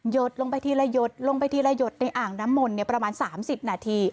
ดลงไปทีละหยดลงไปทีละหยดในอ่างน้ำมนต์ประมาณ๓๐นาที